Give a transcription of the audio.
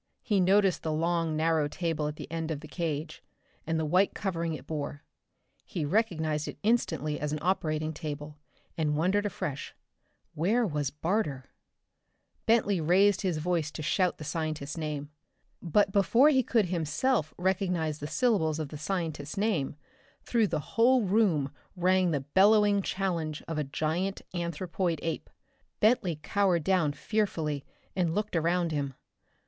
He noticed the long narrow table at the end of the cage, and the white covering it bore. He recognized it instantly as an operating table, and wondered afresh. Where was Barter? Bentley raised his voice to shout the scientist's name. But before he could himself recognize the syllables of the scientist's name, through the whole room rang the bellowing challenge of a giant anthropoid ape. Bentley cowered down fearfully and looked around him.